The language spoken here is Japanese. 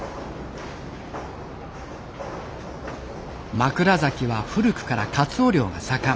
枕崎は古くからカツオ漁が盛ん。